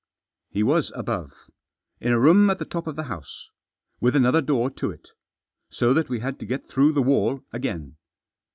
He was above. In a room at the top of the house. With another door to it So that we had to get through the wall again.